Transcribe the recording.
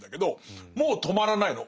もう止まらないの。